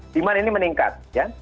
demand ini meningkat ya